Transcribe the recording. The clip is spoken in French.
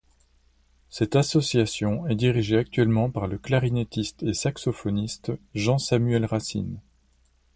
Cette association est dirigée actuellement par le clarinettiste et saxophoniste Jean-Samuel Racine.